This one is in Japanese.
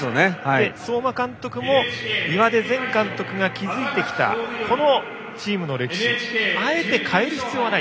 相馬監督も岩出前監督が築いてきたこのチームの歴史をあえて変える必要はない。